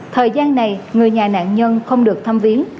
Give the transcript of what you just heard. thời gian này người nhà nạn nhân không được thăm viến